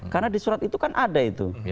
karena di surat itu kan ada itu